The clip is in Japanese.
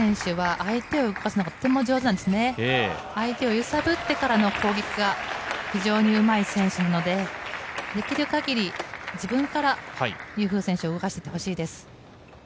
相手を揺さぶってからの攻撃が非常にうまい選手なのでできる限り、自分からユー・フー選手を動かしていってほしいです。